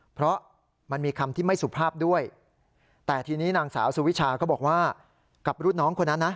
เพราะมันมีคำที่ไม่สุภาพด้วยแต่ทีนี้นางสาวสุวิชาก็บอกว่ากับรุ่นน้องคนนั้นนะ